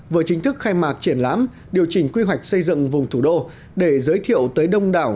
vừa chính thức khai mạc triển lãm điều chỉnh quy hoạch xây dựng vùng thủ đô để giới thiệu tới đông đảo